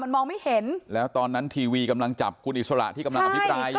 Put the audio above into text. มองไม่เห็นแล้วตอนนั้นทีวีกำลังจับคุณอิสระที่กำลังอภิปรายอยู่